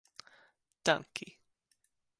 danki